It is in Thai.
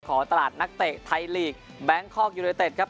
ตลาดนักเตะไทยลีกแบงคอกยูเนเต็ดครับ